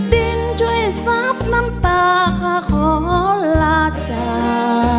ดินช่วยซับน้ำตาค่ะขอลาจา